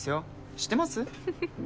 知ってます？